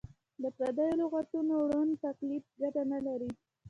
د پردیو لغتونو ړوند تقلید ګټه نه لري.